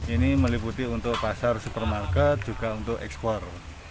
ini meliputi untuk pasar supermarket juga untuk ekspor